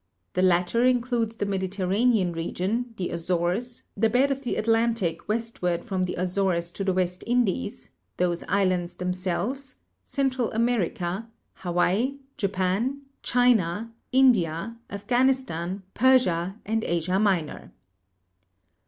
The latter includes the Mediterranean region, the Azores, the bed of the Atlantic westward from the Azores to the West Indies, those islands themselves, Central America. Hawaii, Japan, China, India, Afghanistan, Persia, and Asia Minor.